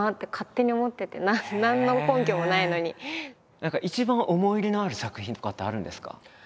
何か一番思い入れのある作品とかってあるんですか？